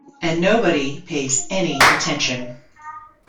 And nobody pays any attention.